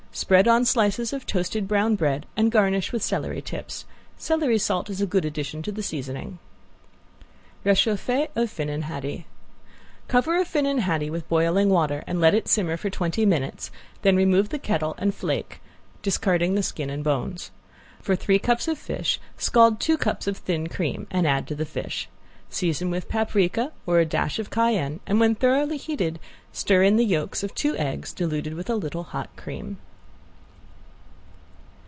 Spread on slices of toasted brown bread and garnish with celery tips. Celery salt is a good addition to the seasoning. ~RECHAUFFE OF FINNAN HADDIE~ Cover a finnan haddie with boiling water and let it simmer for twenty minutes, then remove the kettle and flake, discarding the skin and bones. For three cups of fish scald two cups of thin cream and add to the fish. Season with paprika or a dash of cayenne, and when thoroughly heated stir in the yolks of two eggs, diluted with a little hot cream.